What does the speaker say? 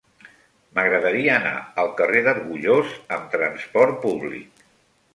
M'agradaria anar al carrer d'Argullós amb trasport públic.